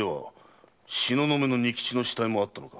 東雲の仁吉の死体もあったのか。